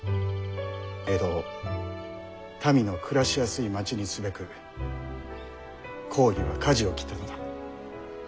江戸を民の暮らしやすい町にすべく公儀はかじを切ったのだ。